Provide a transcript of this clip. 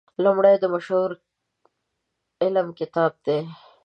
لومړی د مشهور عالم کتاب دی.